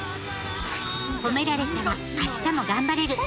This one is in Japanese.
褒められたら明日も頑張れる。